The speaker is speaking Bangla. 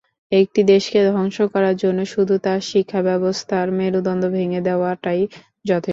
একটি দেশকে ধ্বংস করার জন্য শুধু তার শিক্ষাব্যবস্থার মেরুদণ্ড ভেঙে দেওয়াটাই যথেষ্ট।